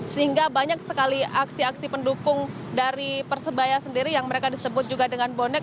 sehingga banyak sekali aksi aksi pendukung dari persebaya sendiri yang mereka disebut juga dengan bonek